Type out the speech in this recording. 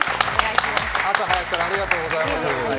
朝早くからありがとうございます。